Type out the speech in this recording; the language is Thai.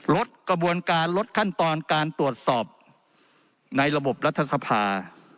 ลดกระบวนการลดขั้นตอนการตรวจสอบในระบบรัฐสภา